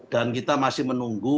dan kita masih menunggu